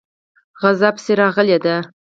غزا پسې راغلی دی.